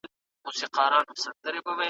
د عصبیت مفهوم څه ته وایي؟